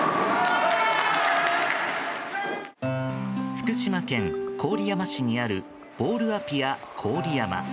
福島県郡山市にあるボウルアピア郡山。